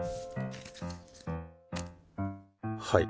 はい。